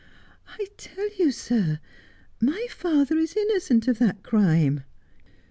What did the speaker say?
' I tell you, sir, my father is innocent of that crime.'